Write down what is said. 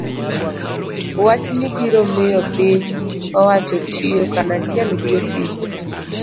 Wachni biro miyo piny owacho tiyo kanachiel gi ofise